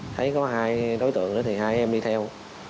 thấy có hai đối tượng thì hai em đi theo